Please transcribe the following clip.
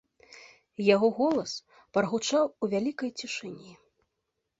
Яго голас прагучаў у вялікай цішыні.